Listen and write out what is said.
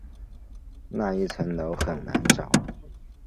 那一层楼很难找